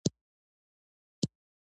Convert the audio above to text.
د تایم پاڼې د ټوخي لپاره وکاروئ